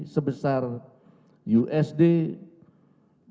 sebesar usd tiga ratus lima belas usd